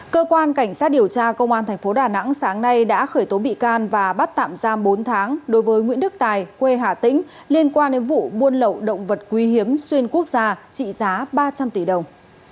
cơ quan cảnh sát điều tra công an thành phố đà nẵng sáng nay đã khởi tố bị can và bắt tạm giam bốn tháng đối với nguyễn đức tài quê hà tĩnh liên quan đến vụ buôn lậu động vật quý hiếm xuyên quốc gia trị giá ba trăm linh tỷ đồng